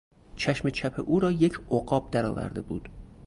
چشم چپ او را یک عقاب در آورده بود.